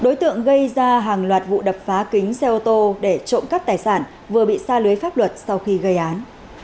đối tượng gây ra hàng loạt vụ đập phá kính xe ô tô để trộm cắp tài sản vừa bị xa lưới pháp luật sau khi gây án